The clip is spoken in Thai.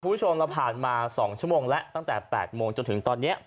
ผู้ชมเราผ่านมาสองชั่วโมงและตั้งแต่แปดโมงจนถึงตอนนี้